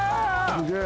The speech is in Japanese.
すげえ。